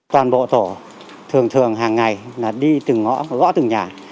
toàn bộ tổ thường thường hàng ngày là đi từng ngõ gõ từng nhà